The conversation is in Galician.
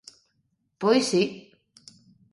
Pois si.